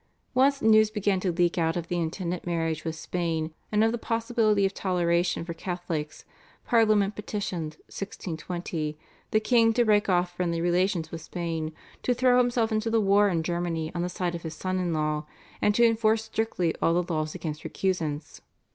Once news began to leak out of the intended marriage with Spain and of the possibility of toleration for Catholics Parliament petitioned (1620) the king to break off friendly relations with Spain, to throw himself into the war in Germany on the side of his son in law, and to enforce strictly all the laws against recusants.